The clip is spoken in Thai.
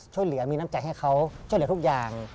ช่วยเหลือมีน้ำใจให้เขาช่วยเหลือทุกอย่าง